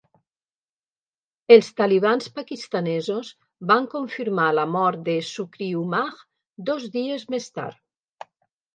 Els talibans pakistanesos van confirmar la mort de Shukrijumah dos dies més tard.